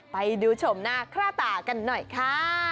ไปดูชมหน้าค่าตากันหน่อยค่ะ